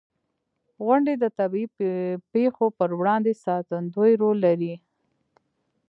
• غونډۍ د طبعي پېښو پر وړاندې ساتندوی رول لري.